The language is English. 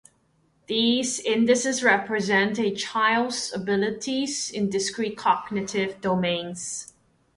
These indices represent a child's abilities in discrete cognitive domains.